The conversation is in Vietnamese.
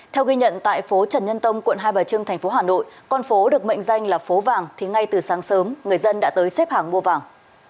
theo ghi nhận tại phố trần nhân tông quận hai bà trưng thành phố hà nội con phố được mệnh danh là phố vàng thì ngay từ sáng sớm người dân đã tới xếp hàng mua vàng